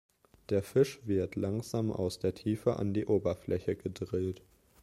Der Fisch wird langsam aus der Tiefe an die Oberfläche gedrillt.